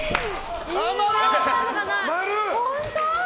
本当？